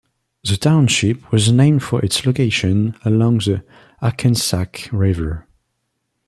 The township was named for its location along the Hackensack River.